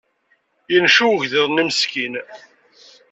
Yenncew ugḍiḍ-nni meskin.